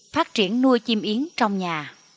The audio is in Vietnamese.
phát triển nuôi chim yến trong nhà